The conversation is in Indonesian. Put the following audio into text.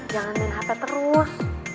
jangan main hp terus